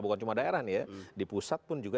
bukan cuma daerah nih ya di pusat pun juga